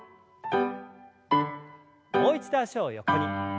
もう一度脚を横に。